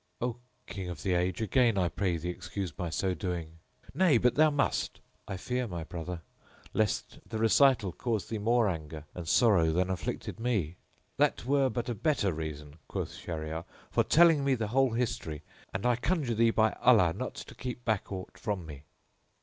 "O King of the Age, again I pray thee excuse my so doing!" "Nay, but thou must." "I fear, O my brother, lest the recital cause thee more anger and sorrow than afflicted me." "That were but a better reason," quoth Shahryar, "for telling me the whole history, and I conjure thee by Allah not to keep back aught from me."